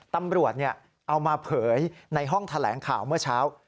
ตำรวจเอามาเผยในห้องแถลงข่าวเมื่อเช้า